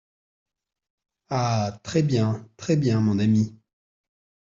Ah ! très bien ! très bien ! mon ami !